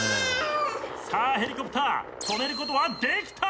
さあヘリコプター止めることはできた！